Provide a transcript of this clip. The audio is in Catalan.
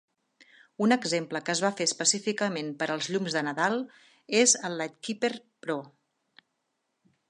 Un exemple que es va fer específicament per als llums de Nadal és el LightKeeper Pro.